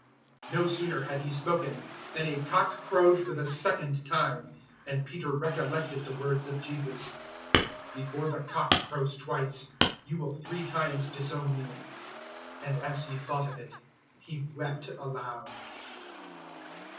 014:072 No sooner had he spoken than a cock crowed for the second time, and Peter recollected the words of Jesus, "Before the cock crows twice, you will three times disown me." And as he thought of it, he wept aloud.